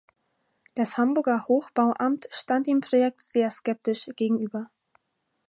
Das Hamburger Hochbauamt stand dem Projekt sehr skeptisch gegenüber.